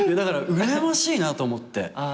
うらやましいなと思って。